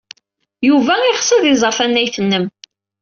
Yuba yeɣs ad iẓer tannayt-nnem.